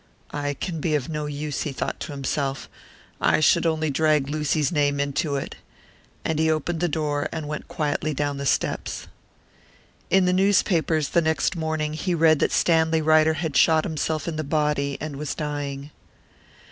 "I can be of no use," he thought to himself; "I should only drag Lucy's name into it." And he opened the door, and went quietly down the steps. In the newspapers the next morning he read that Stanley Ryder had shot himself in the body, and was dying.